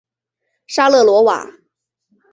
沙勒罗瓦。